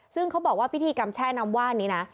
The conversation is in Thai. ซึ่งเขาบอกว่าพิธีกรรมแช่น้ำว่านนี้นะ